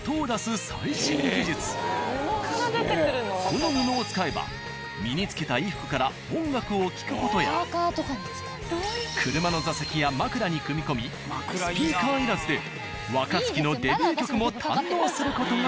この布を使えば身につけた衣服から音楽を聴く事や車の座席や枕に組み込みスピーカーいらずで若槻のデビュー曲も堪能する事ができる。